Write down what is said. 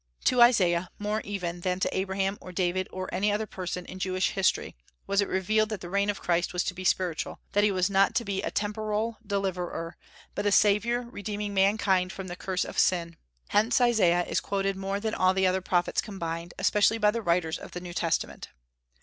To Isaiah, more even than to Abraham or David or any other person in Jewish history, was it revealed that the reign of the Christ was to be spiritual; that he was not to be a temporal deliverer, but a Saviour redeeming mankind from the curse of sin. Hence Isaiah is quoted more than all the other prophets combined, especially by the writers of the New Testament.